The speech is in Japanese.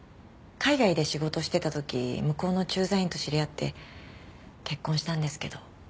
海外で仕事してた時向こうの駐在員と知り合って結婚したんですけど。